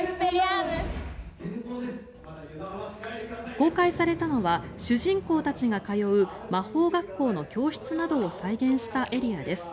公開されたのは主人公たちが通う魔法学校の教室などを再現したエリアです。